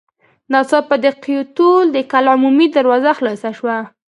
ناڅاپه د قيتول د کلا عمومي دروازه خلاصه شوه.